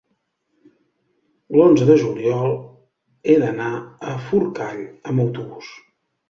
L'onze de juliol he d'anar a Forcall amb autobús.